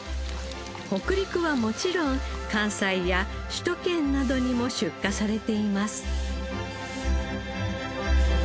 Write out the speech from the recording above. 北陸はもちろん関西や首都圏などにも出荷されています。